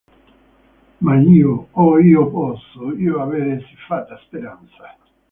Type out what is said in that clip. Ma io, oh io posso io avere sifatta speranza?